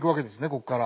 ここから。